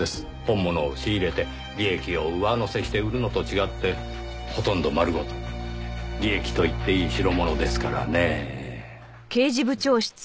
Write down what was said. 本物を仕入れて利益を上乗せして売るのと違ってほとんど丸ごと利益と言っていい代物ですからねぇ。